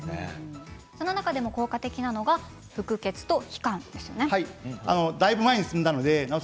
その中でも効果的なのが腹結と髀関ですね。